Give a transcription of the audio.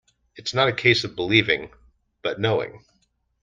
It's not a case of believing, but knowing.